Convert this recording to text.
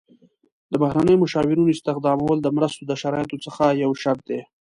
د بهرنیو مشاورینو استخدامول د مرستو د شرایطو څخه یو شرط دی.